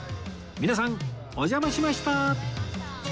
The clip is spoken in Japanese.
皆さんお邪魔しました！